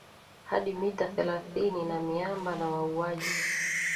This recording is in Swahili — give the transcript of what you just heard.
hadi mita thelathini na miamba na wauaji